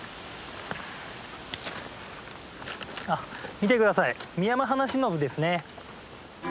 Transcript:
見て下さいミヤマハナシノブですね。